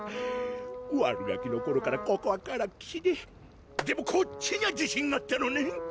悪ガキの頃からここはからっきしででもこっちにゃ自信あったのねん！